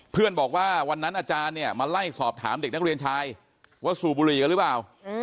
เพื่อนบอกว่าวันนั้นอาจารย์เนี่ยมาไล่สอบถามเด็กนักเรียนชายว่าสูบบุหรี่กันหรือเปล่า